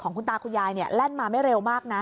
ของคุณตาคุณยายเนี่ยแล่นมาไม่เร็วมาก